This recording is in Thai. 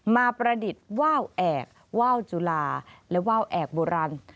ประดิษฐ์ว่าวแอกว่าวจุลาและว่าวแอกโบราณ